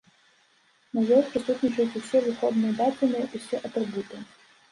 На ёй прысутнічаюць усе выходныя дадзеныя, усе атрыбуты.